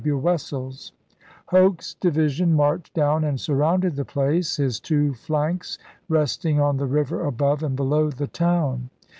W. Wessels. Hoke's divi sion marched down and surrounded the place, his two flanks resting on the river above and below the town.